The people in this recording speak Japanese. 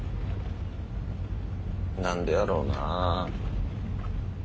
何でやろうな。